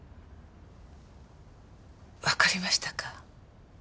わかりましたか？